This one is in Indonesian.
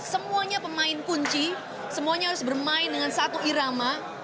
semuanya pemain kunci semuanya harus bermain dengan satu irama